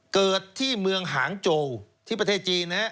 เกิดที่เมืองหางโจที่ประเทศจีนนะฮะ